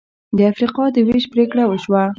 د افریقا د وېش پرېکړه وشوه.